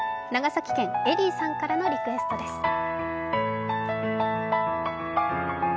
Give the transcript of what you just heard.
長崎県、エリィさんからのリクエストです。